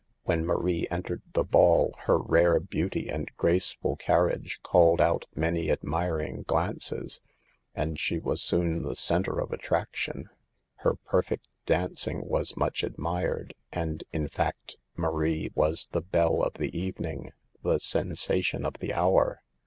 When Marie entered the ball her rare beauty and graceful carriage called out many admiring glances, and she was soon the center of attrac tion. Her perfect dancing was much admired, and, in fact, Marie was the belle of the evening, the sensation of the hour.